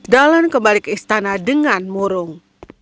dalan kembali ke istana dengan murung